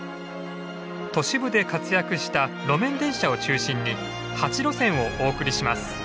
都市部で活躍した路面電車を中心に８路線をお送りします。